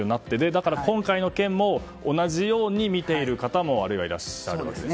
だから今回の件も同じように見ている方もいらっしゃるんですよね。